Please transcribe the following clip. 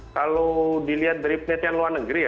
kalau dilihat dari penelitian luar negeri ya